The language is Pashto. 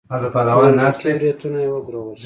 لنډکي برېتونه يې وګرول.